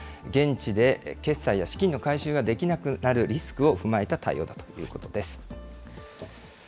現地で決済や資金の回収ができなくなるリスクを踏まえた対応だということです。